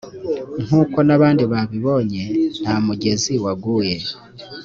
nk uko n abandi babibonye ntamugezi waguye